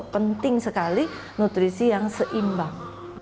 penting sekali nutrisi yang seimbang